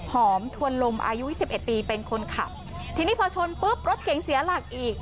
หอมทวนลมอายุยี่สิบเอ็ดปีเป็นคนขับทีนี้พอชนปุ๊บรถเก๋งเสียหลักอีก